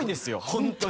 ホントに。